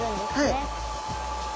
はい。